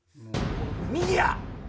右や！